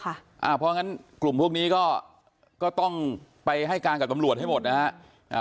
เพราะงั้นกลุ่มพวกนี้ก็ต้องไปให้การกับตำรวจให้หมดนะฮะ